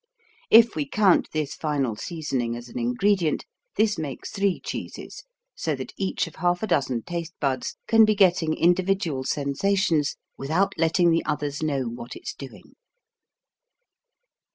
If we count this final seasoning as an ingredient, this makes three cheeses, so that each of half a dozen taste buds can be getting individual sensations without letting the others know what it's doing.